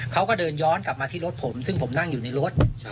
เขาก็เดินย้อนกลับมาที่รถผมซึ่งผมนั่งอยู่ในรถ